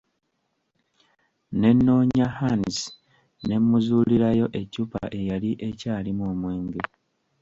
Ne nnoonya; Hands ne mmuzuulirayo eccupa eyali ekyalimu omwenge.